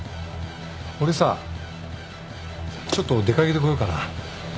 俺さちょっと出掛けてこようかな。